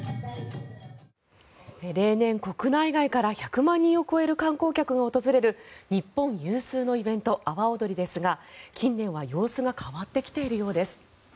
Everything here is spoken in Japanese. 例年、国内外から１００万人を超える観光客が訪れる日本有数のイベント阿波おどりですが近年は様子が変わってきているようです。